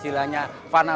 jadi kita harus berbual